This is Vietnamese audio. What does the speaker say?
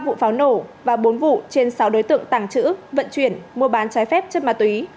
sáu vụ pháo nổ và bốn vụ trên sáu đối tượng tàng trữ vận chuyển mua bán trái phép chất ma túy